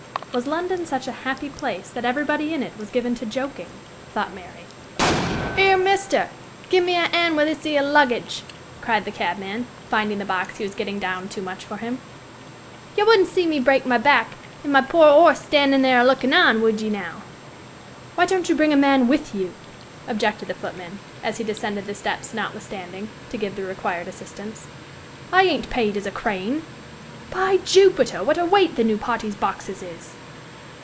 Was London such a happy place that everybody in it was given to joking, thought Mary. "'Ere, mister! gi' me a 'and wi' this 'ere luggage," cried the cabman, finding the box he was getting down too much for him. "Yah wouldn't see me break my back, an' my poor 'orse standin' there a lookin' on would ye now?" "Why don't you bring a man with you?" objected the footman, as he descended the steps notwithstanding, to give the required assistance. "I ain't paid as a crane. By Juppiter! what a weight the new party's boxes is!"